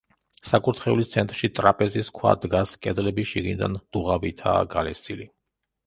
საკურთხევლის ცენტრში ტრაპეზის ქვა დგას კედლები შიგნიდან დუღაბითაა გალესილი.